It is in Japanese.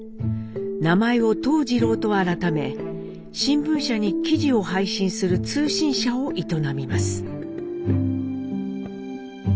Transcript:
名前を東次郎と改め新聞社に記事を配信する通信社を営みます。